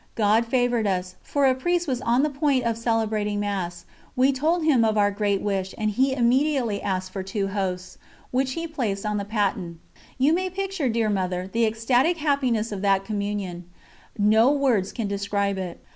God favoured us, for a Priest was on the point of celebrating Mass; we told him of our great wish, and he immediately asked for two hosts, which he placed on the paten. You may picture, dear Mother, the ecstatic happiness of that Communion; no words can describe it.